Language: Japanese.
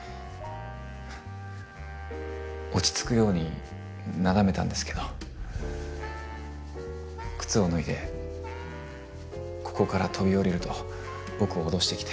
落ち着くようになだめたんですけど靴を脱いで「ここから飛び降りる！」と僕を脅してきて。